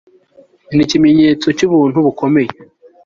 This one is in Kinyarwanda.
ni ikimenyetso cy'ubuntu bukomeye